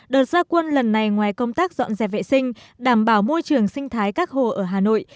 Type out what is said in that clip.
đợt gia quân lần này ngoài công tác dọn dẹp vệ sinh đảm bảo môi trường sinh thái các hồ ở hà nội